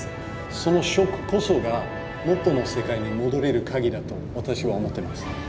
そのショックこそが元の世界に戻れる鍵だと私は思ってます。